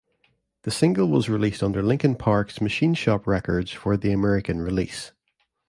The single was released under Linkin Park's Machine Shop Records for the American release.